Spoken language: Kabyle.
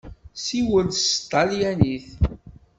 Ssiwel s tṭalyanit!